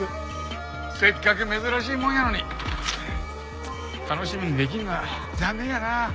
せっかく珍しいもんやのに楽しみにできんのは残念やな。